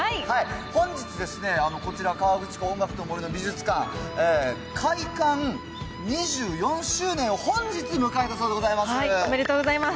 本日ですね、こちら、河口湖・音楽と森の美術館、開館２４周年を本日迎えたそうでござおめでとうございます。